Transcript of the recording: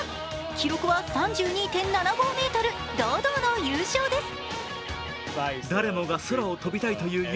記録は３２．７５ｍ、堂々の優勝です。